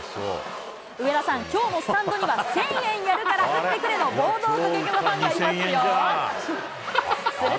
上田さん、きょうもスタンドには、千円やるから打ってくれというボードを掲げるファンがいますよ。